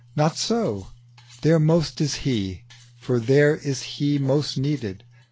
Not so: there most is He, for there is He Most needed.